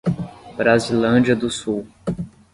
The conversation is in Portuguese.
Brasilândia do Sul